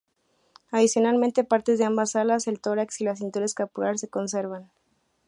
Adicionalmente, partes de ambas alas, el tórax y la cintura escapular se conservan.